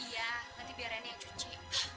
iya nanti biar ini yang cuci